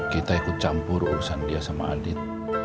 kita ikut campur urusan dia sama adit